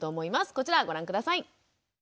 こちらをご覧下さい。